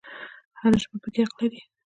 هر ژبه پکې حق لري